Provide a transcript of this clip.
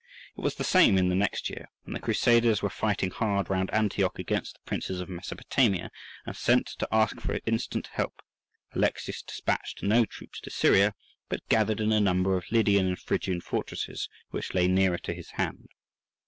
It was the same in the next year; when the Crusaders were fighting hard round Antioch against the princes of Mesopotamia, and sent to ask for instant help, Alexius despatched no troops to Syria, but gathered in a number of Lydian and Phrygian fortresses which lay nearer to his hand.